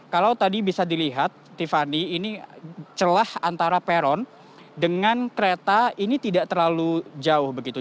kalau tadi bisa dilihat tiffany ini celah antara peron dengan kereta ini tidak terlalu jauh begitu